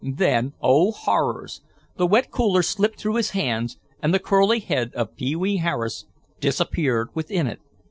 Then, oh, horrors! The wet cooler slipped through his hands and the curly head of Pee wee Harris disappeared within it.